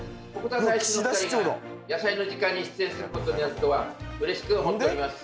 鉾田大使の２人が「やさいの時間」に出演することになるとはうれしく思っております。